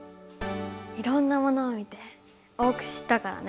いろんなものを見て多く知ったからね。